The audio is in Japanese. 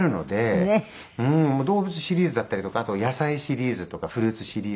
動物シリーズだったりとかあとは野菜シリーズとかフルーツシリーズだったりとか。